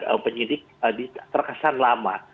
membuat penyidik terkesan lama